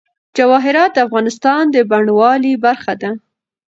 جواهرات د افغانستان د بڼوالۍ برخه ده.